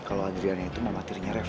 kalo adriana itu mematirnya reva